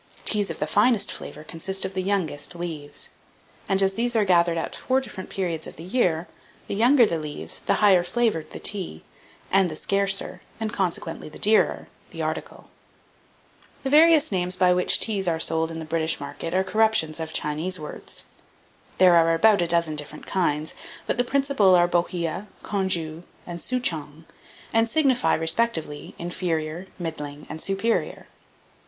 Teas of the finest flavour consist of the youngest leaves; and as these are gathered at four different periods of the year, the younger the leaves the higher flavoured the tea, and the scarcer, and consequently the dearer, the article. 1795. The various names by which teas are sold in the British market are corruptions of Chinese words. There are about a dozen different kinds; but the principal are Bohea, Congou, and Souchong, and signify, respectively, inferior, middling, and superior.